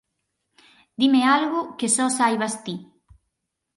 Dime algo que só saibas ti.